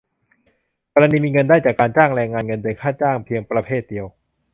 กรณีมีเงินได้จากการจ้างแรงงาน เงินเดือน ค่าจ้าง เพียงประเภทเดียว